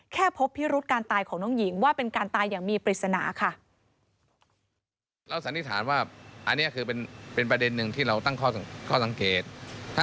พบพิรุษการตายของน้องหญิงว่าเป็นการตายอย่างมีปริศนาค่ะ